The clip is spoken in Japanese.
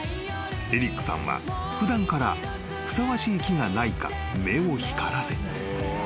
エリックさんは普段からふさわしい木がないか目を光らせ］